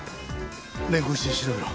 連行して調べろ。